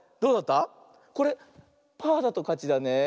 これパーだとかちだねえ。